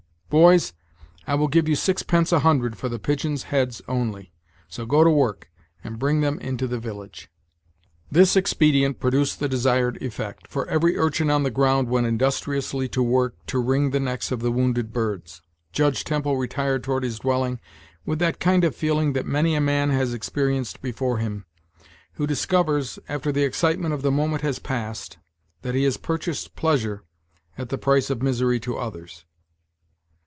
Boys, I will give you sixpence a hundred for the pigeons' heads only; so go to work, and bring them into the village." This expedient produced the desired effect, for every urchin on the ground went industriously to work to wring the necks of the wounded birds. Judge Temple retired toward his dwelling with that kind of feeling that many a man has experienced before him, who discovers, after the excitement of the moment has passed, that he has purchased pleasure at the price of misery to others.